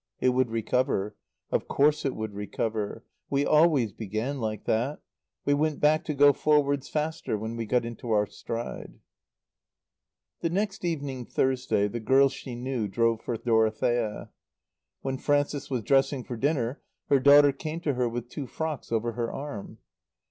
It would recover. Of course it would recover. We always began like that. We went back to go forwards faster, when we got into our stride. The next evening, Thursday, the girl she knew drove for Dorothea. When Frances was dressing for dinner her daughter came to her with two frocks over her arm.